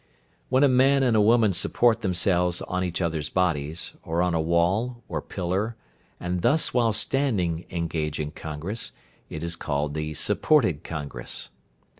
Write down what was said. When a man and a woman support themselves on each other's bodies, or on a wall, or pillar, and thus while standing engage in congress, it is called the "supported congress."